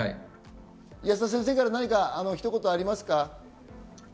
保田先生からひと言ありますか？